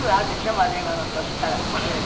まだ今の年からすれば。